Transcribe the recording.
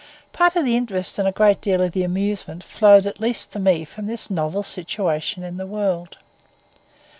Part of the interest and a great deal of the amusement flowed, at least to me, from this novel situation in the world.